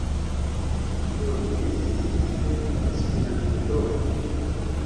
Do, ni estas ekster la Esperanto-domo